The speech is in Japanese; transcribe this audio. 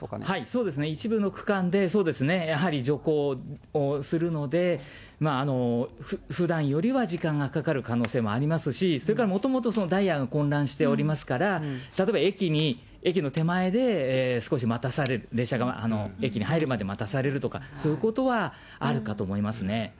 そうですね、一部の区間で、そうですね、やはり徐行をするので、ふだんよりは時間がかかる可能性もありますし、それからもともと、ダイヤが混乱しておりますから、例えば駅に、駅の手前で、少し待たされる、列車が駅に入るまで待たされるとか、そういうことはあるかと思いますね。